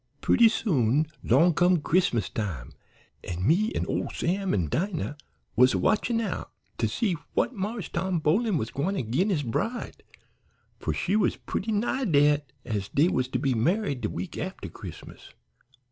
"Purty soon long come Chris'mas time, an' me an' ole Sam an' Dinah was a watchin' out to see what Marse Tom Boling was gwine to gin his bride, fur she was purty nigh dat, as dey was to be married de week after Chris'mas.